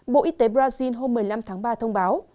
bộ y tế brazil hôm một mươi năm tháng ba thông báo